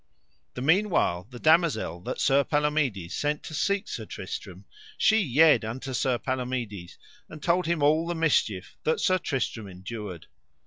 The meanwhile the damosel that Sir Palomides sent to seek Sir Tristram, she yede unto Sir Palomides and told him all the mischief that Sir Tristram endured.